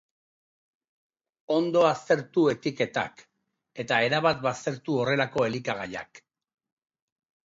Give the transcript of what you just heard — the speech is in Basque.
Ondo aztertu etiketak, eta erabat baztertu horrelako elikagaiak.